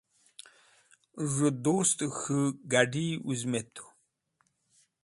z̃hu dust k̃hu gadi wuzmetũ